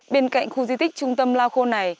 bên cạnh khu di tích trung tâm lao khô này